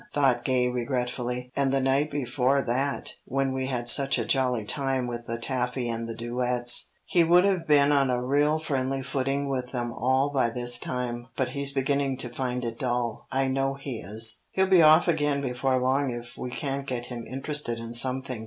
thought Gay regretfully. "And the night before that when we had such a jolly time with the taffy and the duets. He would have been on a real friendly footing with them all by this time. But he's beginning to find it dull. I know he is. He'll be off again before long if we can't get him interested in something."